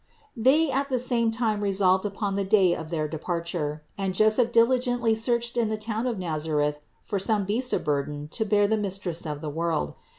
452. They at the same time resolved upon the day of their departure, and Joseph diligently searched in the town of Nazareth for some beast of burden to bear the Mistress of the world.